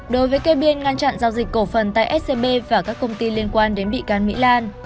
đối với cây biên ngăn chặn giao dịch cổ phần tại scb và các công ty liên quan đến bị can mỹ lan